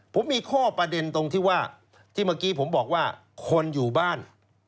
ผมมีข้อประเด็นตรงที่ว่าที่เมื่อกี้ผมบอกว่าคนอยู่บ้าน